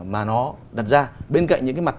mà nó đặt ra bên cạnh những cái mặt